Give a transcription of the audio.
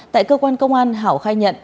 tại cơ quan công an hảo khai nhận